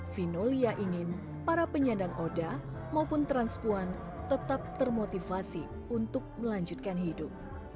vinolia ingin para penyandang oda maupun transpuan tetap termotivasi untuk melanjutkan hidup